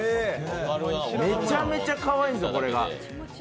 めちゃめちゃかわいいんですよ。